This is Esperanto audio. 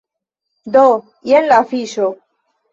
Do, jen la afiŝo.